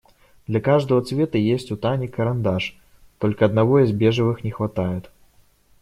Для каждого цвета есть у Тани карандаш, только одного из бежевых не хватает.